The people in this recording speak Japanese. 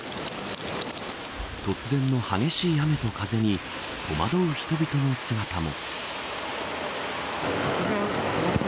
突然の激しい雨と風に戸惑う人々の姿も。